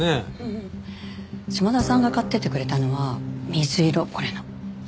島田さんが買っていってくれたのは水色これの。